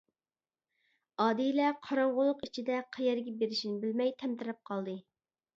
ئادىلە قاراڭغۇلۇق ئىچىدە قەيەرگە بېرىشىنى بىلمەي تەمتىرەپ قالدى.